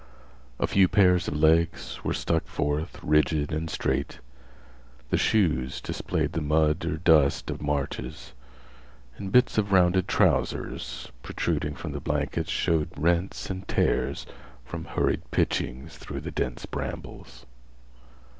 A few pairs of legs were stuck forth, rigid and straight. The shoes displayed the mud or dust of marches and bits of rounded trousers, protruding from the blankets, showed rents and tears from hurried pitchings through the dense brambles.